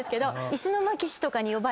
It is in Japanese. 石巻市とかに呼ばれて。